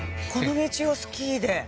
この道をスキーで？